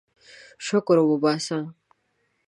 شکر وباسه.